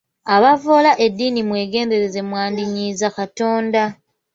Abavvoola eddiini mwegendereze mwandinyiiza Katonda.